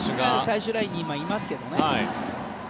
最終ラインにいますけどね。